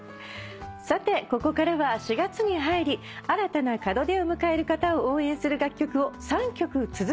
さてここからは４月に入り新たな門出を迎える方を応援する楽曲を３曲続けてお届けします。